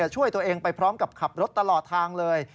ช่วยตัวเองไปพร้อมกับขับรถตลอดทางเลย